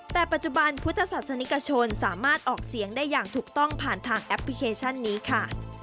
แต่ปัจจุบันพุทธศาสนิกชนสามารถออกเสียงได้อย่างถูกต้องผ่านทางแอปพลิเคชันนี้ค่ะ